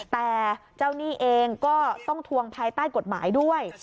แต่เจ้าหนี้เองก็ต้องทวงภายใต้กฎหมายด้วย